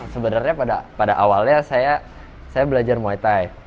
sebenarnya pada awalnya saya belajar muay thai